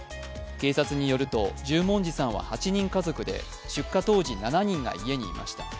警察によると十文字さんは８人家族で出火当時７人が家にいました。